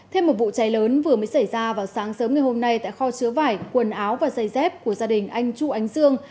thêm một vụ cháy lớn vừa mới xảy ra vào sáng sớm ngày hôm nay tại kho chứa vải quần áo và dây dép của gia đình anh chu ánh dương